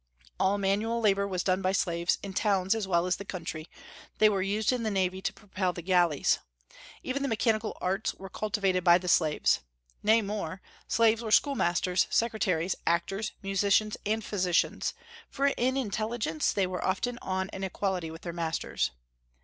All manual labor was done by slaves, in towns as well as the country; they were used in the navy to propel the galleys. Even the mechanical arts were cultivated by the slaves. Nay more, slaves were schoolmasters, secretaries, actors, musicians, and physicians, for in intelligence they were often on an equality with their masters.